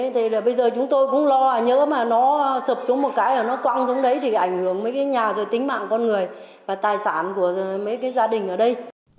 thì là bây giờ chúng tôi cũng lo nhớ mà nó sập xuống một cái là nó quăng xuống đấy thì ảnh hưởng mấy cái nhà rồi tính mạng con người và tài sản của mấy cái gia đình ở đây